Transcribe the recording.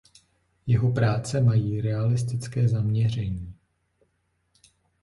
Jeho práce mají realistické zaměření.